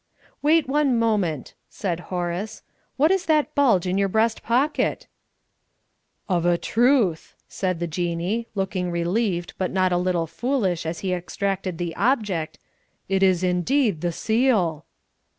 "Wait one moment," said Horace. "What is that bulge in your breast pocket?" "Of a truth," said the Jinnee, looking relieved but not a little foolish as he extracted the object, "it is indeed the seal."